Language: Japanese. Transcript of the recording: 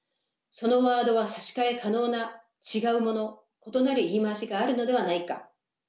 そのワードは差し替え可能な違うもの異なる言い回しがあるのではないか？